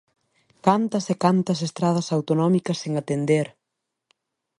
¡Cantas e cantas estradas autonómicas sen atender!